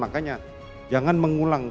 makanya jangan mengulang